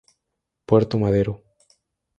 Puerto Madero.